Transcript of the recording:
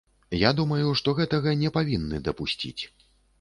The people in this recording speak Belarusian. Я думаю, што гэтага не павінны дапусціць.